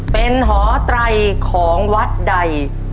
เป็นหอไตรของวัดใด